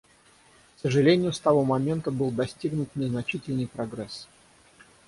К сожалению, с того момента был достигнут незначительный прогресс.